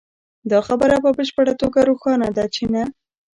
دا خبره په بشپړه توګه روښانه ده چې نه